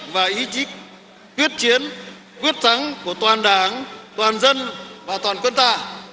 và ý chí quyết chiến quyết thắng của toàn đảng toàn dân và toàn quân ta